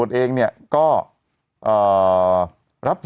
ชอบคุณครับ